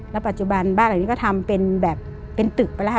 แล้วปัจจุบันบ้านเหล่านี้ก็ทำเป็นแบบเป็นตึกไปแล้วค่ะ